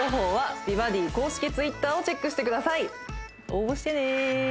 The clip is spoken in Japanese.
私の応募してね